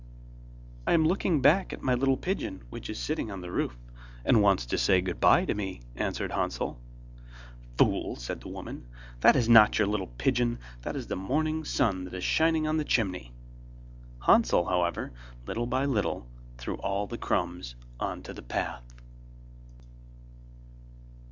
'I am looking back at my little pigeon which is sitting on the roof, and wants to say goodbye to me,' answered Hansel. 'Fool!' said the woman, 'that is not your little pigeon, that is the morning sun that is shining on the chimney.' Hansel, however little by little, threw all the crumbs on the path.